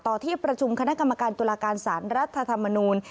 ที่ประชุมคณะกรรมการตุลาการสารรัฐธรรมนูล